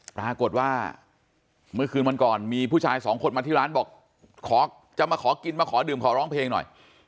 ปรากฏว่าเมื่อคืนวันก่อนมีผู้ชายสองคนมาที่ร้านบอกขอจะมาขอกินมาขอดื่มขอร้องเพลงหน่อย